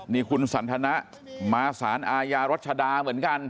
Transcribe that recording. นี่คุณสันทนะมาสารอาญารัชดาเหมือนกัน